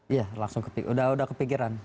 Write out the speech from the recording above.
iya sudah kepikiran